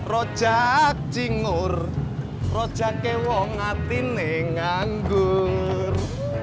rojak jingur rojak kewong hati ne nganggur